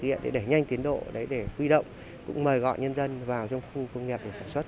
hành rất nhanh tiến độ để quy động cũng mời gọi nhân dân vào trong khu công nghiệp để sản xuất